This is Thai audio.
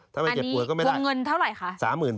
ถ้ามันเจ็บป่วยก็ไม่ได้อันนี้ควงเงินเท่าไหร่คะ